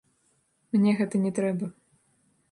Мне гэта не трэба.